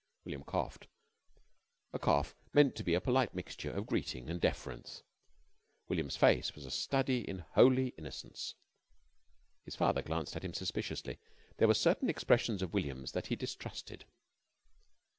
William coughed, a cough meant to be a polite mixture of greeting and deference. William's face was a study in holy innocence. His father glanced at him suspiciously. There were certain expressions of William's that he distrusted.